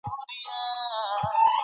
که ښوونه او روزنه وي نو فساد نه وي.